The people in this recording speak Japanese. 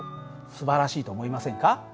すばらしいと思いませんか？